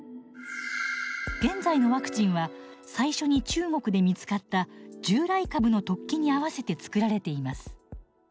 現在のワクチンは最初に中国で見つかった従来株の突起に合わせて作られています。